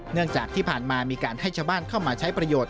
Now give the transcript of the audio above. เนื่องจากที่ผ่านมามีการให้ชาวบ้านเข้ามาใช้ประโยชน์